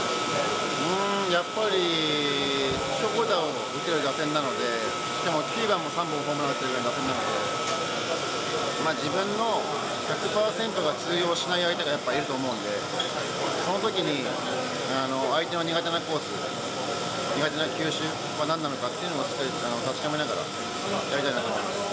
うーん、やっぱり長打を打てる打線なので、でも９番も、３本も打ってる打線なんで、自分の１００％が通用しない相手がやっぱりいると思うので、そのときに相手の苦手なコース、苦手な球種、なんなのかっていうのをしっかり確かめながらやりたいなと思います。